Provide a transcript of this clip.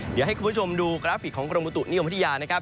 เดี๋ยวให้คุณผู้ชมดูกราฟิกของกรมบุตุนิยมพัทยานะครับ